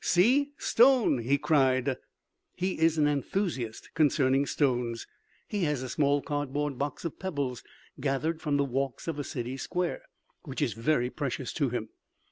"See stone," he cried. He is an enthusiast concerning stones. He has a small cardboard box of pebbles, gathered from the walks of a city square, which is very precious to him.